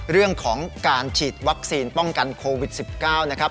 เรื่องของการฉีดวัคซีนป้องกันโควิด๑๙นะครับ